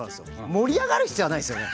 盛り上がる必要はないですよね。